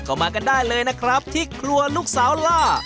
ก็มากันได้เลยนะครับที่ครัวลูกสาวล่า